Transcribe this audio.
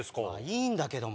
いいんだけども。